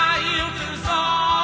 ai yêu tự do